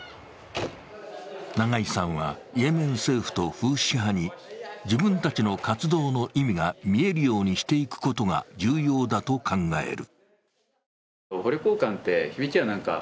永井さんは、イエメン政府とフーシ派に自分たちの活動の意味が見えるようにしていくことが重要だと考える。